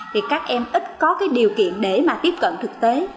thì các em ít có điều kiện để tiếp cận thực tế